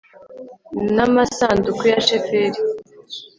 n amasanduku ya sheferi